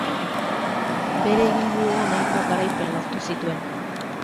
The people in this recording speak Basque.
Bere ibilbidean hainbat garaipen lortu zituen.